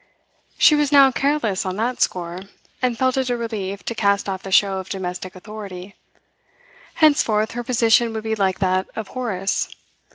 She was now careless on that score, and felt it a relief to cast off the show of domestic authority. Henceforth her position would be like that of Horace.